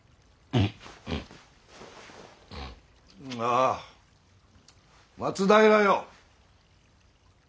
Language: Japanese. あ松平よ。